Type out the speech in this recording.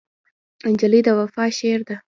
نجلۍ د وفا شعر ده.